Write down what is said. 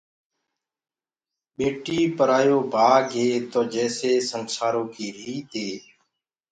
ٻيٽيٚ پرآيو بآگ هي تو جيسي اسنسآرو ڪي ريت هي،